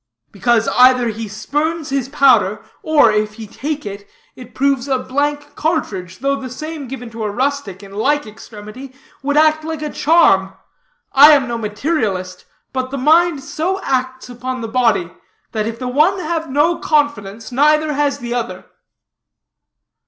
"Because either he spurns his powder, or, if he take it, it proves a blank cartridge, though the same given to a rustic in like extremity, would act like a charm. I am no materialist; but the mind so acts upon the body, that if the one have no confidence, neither has the other."